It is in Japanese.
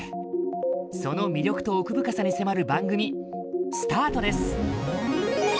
その魅力と奥深さに迫る番組スタートです。